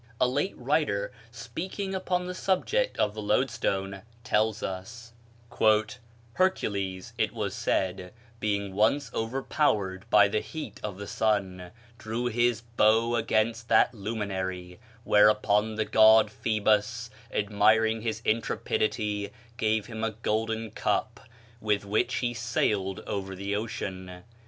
A late writer, speaking upon the subject of the loadstone, tells us: "Hercules, it was said, being once overpowered by the heat of the sun, drew his bow against that luminary; whereupon the god Phoebus, admiring his intrepidity, gave him a golden cup, with which he sailed over the ocean.